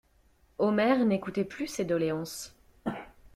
Omer n'écoutait plus ces doléances.